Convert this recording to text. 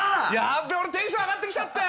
俺テンション上がってきちゃったよ